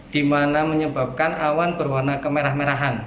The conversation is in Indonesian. dimana menyebabkan awan berwarna kemerah merahan